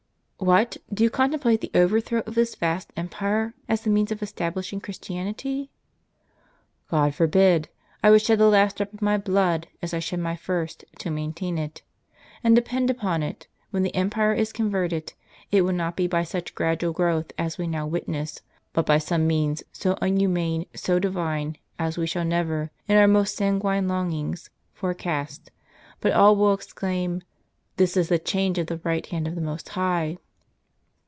"What! do you contemplate the overthrow of this vast empire, as the means of establishing Christianity? "" God forbid ! I would shed the last drop of my blood, as I shed my first, to maintain it. And depend upon it, when the empire is converted, it will not be by such gradual growth as we now witness, but by some means, so unhuman, so divine, as we shall never, in our most sanguine longings, fore cast; but all will exclaim, 'This is the change of the right hand of the Most High